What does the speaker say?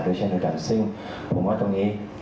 ด้วยเช่นเหมือนกันซึ่งผมว่าตรงนี้